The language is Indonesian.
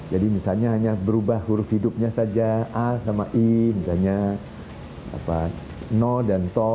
jadi misalnya hanya berubah huruf hidupnya saja a sama i misalnya no dan to